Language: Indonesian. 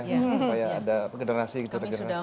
supaya ada regenerasi gitu